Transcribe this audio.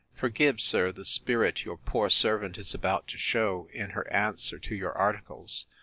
Forgive, sir, the spirit your poor servant is about to show in her answer to your ARTICLES.